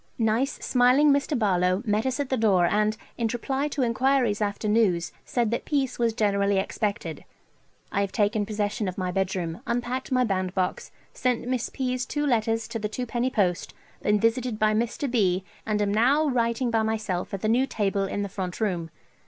Nice smiling Mr. Barlowe met us at the door and, in reply to enquiries after news, said that peace was generally expected. I have taken possession of my bedroom, unpacked my bandbox, sent Miss P.'s two letters to the twopenny post, been visited by Md. B., and am now writing by myself at the new table in the front room.